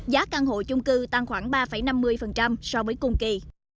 giá căn hộ chung cư tăng khoảng ba năm mươi so với cùng kỳ